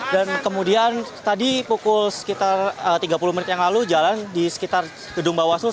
dan kemudian tadi pukul sekitar tiga puluh menit yang lalu jalan di sekitar gedung bawah situ